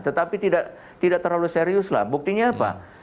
tetapi tidak terlalu serius lah buktinya apa